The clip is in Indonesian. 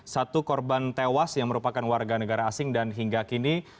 satu korban tewas yang merupakan warga negara asing dan hingga kini